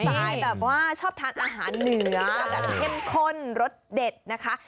ไตล์แบบว่าชอบทานอาหารเหนือแบบเข้มข้นรสเด็ดนะคะ